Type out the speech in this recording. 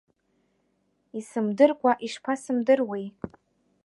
Исымдыркәа, ишԥасымдыруеи!